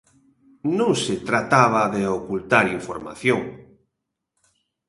Non se trataba de ocultar información.